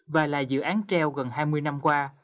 và là dự án treo gần hai mươi năm qua